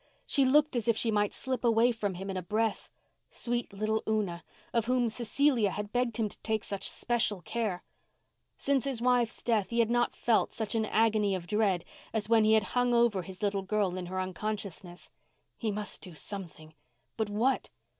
She looked as if she might slip away from him in a breath—sweet little Una, of whom Cecilia had begged him to take such special care. Since his wife's death he had not felt such an agony of dread as when he had hung over his little girl in her unconsciousness. He must do something—but what?